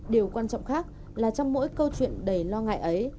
điều quan trọng khác là trong mỗi câu chuyện đầy lo ngại ấy